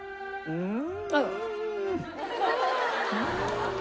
うん。